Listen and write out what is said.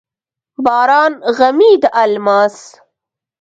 باران غمي د الماس،